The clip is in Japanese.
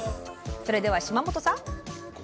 それでは島本さん！